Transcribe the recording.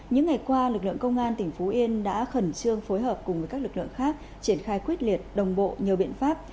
những ngày qua lực lượng công an tỉnh phú yên đã khẩn trương phối hợp cùng với các lực lượng khác triển khai quyết liệt đồng bộ nhiều biện pháp